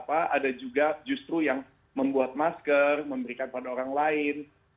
ada juga justru yang membuat masker memberikan pada orang lain